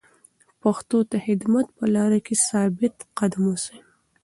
پښتو ته د خدمت په لاره کې ثابت قدم اوسئ.